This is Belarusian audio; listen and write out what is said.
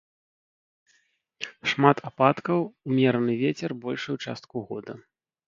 Шмат ападкаў, умераны вецер большую частку года.